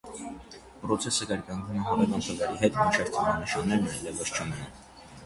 Պրոցեսը կրկնվում է հարևան թվերի հետ մինչև թվանշաններ այլևս չմնան։